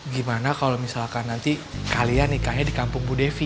gimana kalau misalkan nanti kalian nikahnya di kampung bu devi